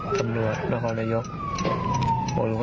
ทุบรถเขาแหวกวนเลย